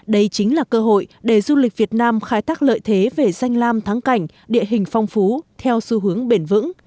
đây chính là cơ hội để du lịch việt nam khai thác lợi thế về danh lam thắng cảnh địa hình phong phú theo xu hướng bền vững